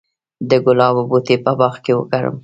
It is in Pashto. د ګلابو بوټي په باغ کې وکرم؟